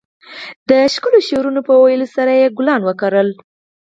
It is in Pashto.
د ښکلو شعرونو په ويلو سره يې ګلان وکرل.